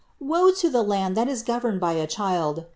" Woe to the land that is governed by a child